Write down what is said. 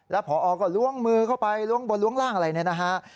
แล้วพอก็ลวงมือเข้าไปต้องล้องบนนี่นะฮะ